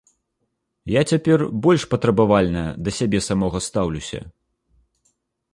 Я цяпер больш патрабавальна да сябе самога стаўлюся.